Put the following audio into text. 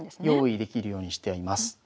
用意できるようにしています。